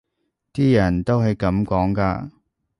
啲人都係噉講㗎